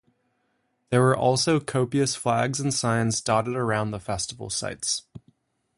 There were also copious flags and signs dotted around the festival sites.